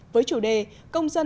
với chủ đề công dân